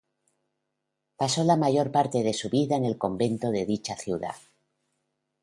Pasó la mayor parte de su vida en el convento de dicha ciudad.